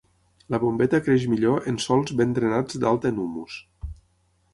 La bombeta creix millor en sòls ben drenats d'alta en humus.